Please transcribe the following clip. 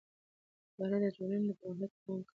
اداره د ټولنې پرمختګ ته پام کوي.